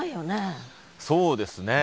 そうですね